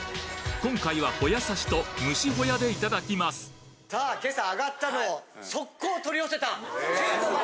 今回はホヤ刺しと蒸しホヤでいただきますさあ今朝あがったのを速攻取り寄せた鮮度抜群！